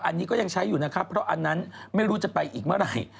อันนี้ก็ยังใช้อยู่นะครับเพราะอันนั้นไม่รู้จะไปอีกเมื่อไหร่